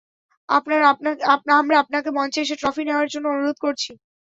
আমরা আপনাকে মঞ্চে এসে ট্রফি নেওয়ার জন্য অনুরোধ করছি!